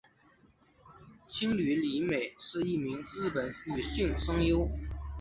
兴梠里美是一名日本女性声优。